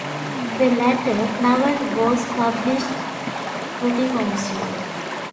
The latter novel was published posthumously.